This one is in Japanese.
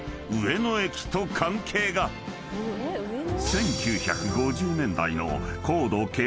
［１９５０年代の］